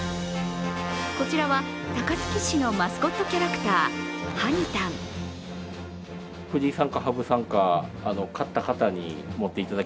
こちらは高槻市のマスコットキャラクター、はにたん。